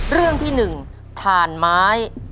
เรื่องที่๑ถ่านไม้